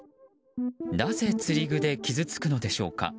なぜ釣り具で傷つくのでしょうか。